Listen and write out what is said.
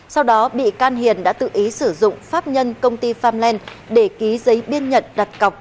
sau đó bị can hiền đã tự ý sử dụng pháp nhân công ty farmland để ký giấy biên nhận đặt cầu